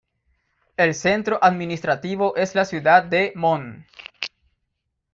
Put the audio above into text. El centro administrativo es la ciudad de Mon.